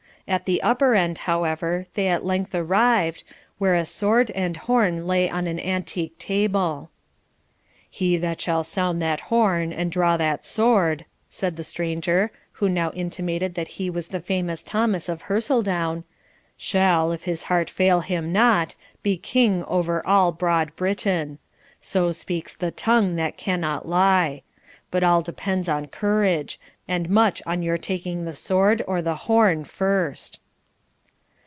At the upper end, however, they at length arrived, where a sword and horn lay on an antique table. 'He that shall sound that horn and draw that sword,' said the stranger, who now intimated that he was the famous Thomas of Hersildoune, 'shall, if his heart fail him not, be king over all broad Britain. So speaks the tongue that cannot lie. But all depends on courage, and much on your taking the sword or the horn first.'